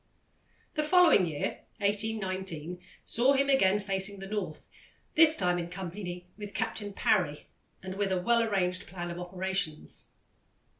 The following year, 1819, saw him again facing the North, this time in company with Captain Parry, and with a well arranged plan of operations.